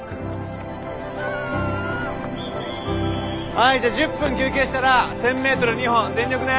はいじゃあ１０分休憩したら１，０００ｍ２本全力ね！